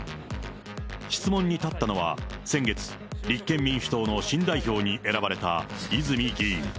質問に立ったのは、先月、立憲民主党の新代表に選ばれた泉議員。